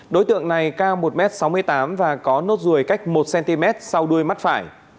đối tượng này cao một m sáu mươi tám và có nốt ruồi cách một cm sau đuôi mắt phải